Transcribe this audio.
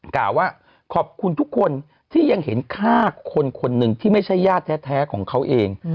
กล่าวว่าขอบคุณทุกคนที่ยังเห็นฆ่าคนคนหนึ่งที่ไม่ใช่ญาติแท้ของเขาเอง